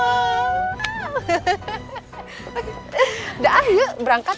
udah ah yuk berangkat yuk